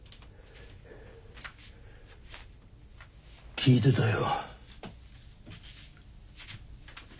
聞いてたよ。